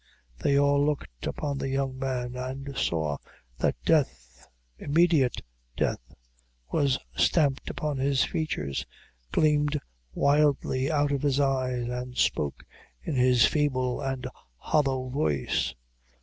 They all looked upon the young man, and saw, that death, immediate death, was stamped upon his features, gleamed wildly out of his eyes, and spoke in his feeble and hollow voice.